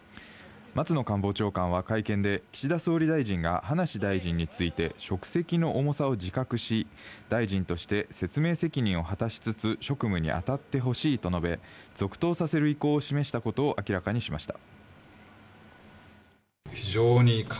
松野官房長官は会見で、岸田総理大臣が葉梨大臣について職責の重さを自覚し、大臣として説明責任を果たしつつ、職務に当たってほしいと述べ、続投させる意向を示したことを明らかにしました。